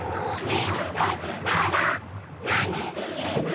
「めをとじたらなにみえる？」